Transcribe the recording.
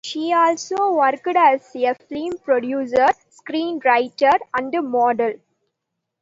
She also worked as a film producer, screenwriter and model.